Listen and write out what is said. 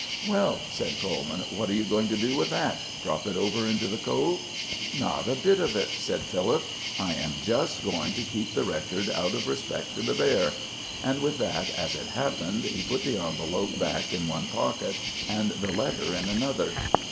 "Well," said Coleman, "what are you going to do with that? Drop it over into the Cove?" "Not a bit of it," said Philip. "I am just going to keep the record out of respect to the bear"; and with that, as it happened, he put the envelop back in one pocket and the letter in another.